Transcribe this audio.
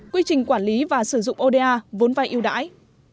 quy trình quản lý và sử dụng oda vốn vai yêu đãi